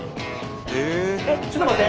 えっちょっと待って。